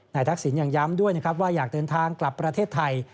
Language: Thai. ทักษิณยังย้ำด้วยนะครับว่าอยากเดินทางกลับประเทศไทย